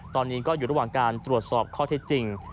ตอนนี้ก็อยู่ระหว่างการตรวจสอบข้อเท็จจริง